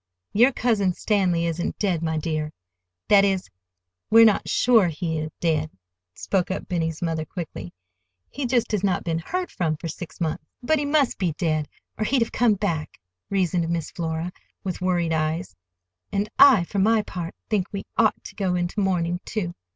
"Your Cousin Stanley isn't dead, my dear,—that is, we are not sure he is dead," spoke up Benny's mother quickly. "He just has not been heard from for six months." "But he must be dead, or he'd have come back," reasoned Miss Flora, with worried eyes; "and I, for my part, think we ought to go into mourning, too."